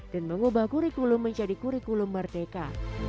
dan mengubah kurikulum menjadi kurikulum merdeka